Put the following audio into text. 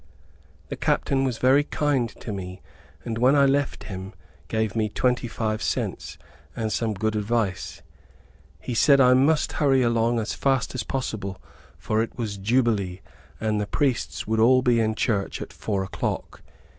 The captain was very kind to me and when I left him, gave me twenty five cents, and some good advice. He said I must hurry along as fast as possible, for it was Jubilee, and the priests would all be in church at four o'clock.